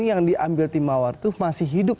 yang diambil timawar itu masih hidup